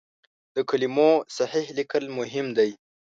د کلمو صحیح لیک مهم دی.